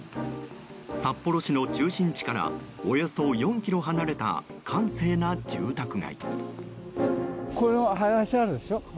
札幌市の中心地からおよそ４ｋｍ離れた閑静な住宅街。